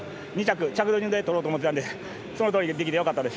着順で取ろうと思っていたのでそのとおりにできてよかったです。